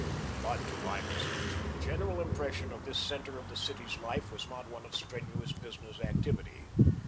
But to Lyman's notion the general impression of this centre of the city's life was not one of strenuous business activity.